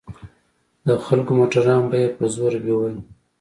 د خلکو موټران به يې په زوره بيول.